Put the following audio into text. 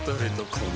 この